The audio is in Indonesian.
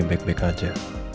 akan baik baik aja